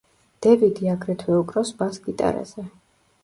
დევიდი აგრეთვე უკრავს ბას-გიტარაზე.